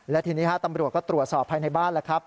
และทีนี้ตำรวจก็ตรวจสอบภายในบ้านแล้วครับ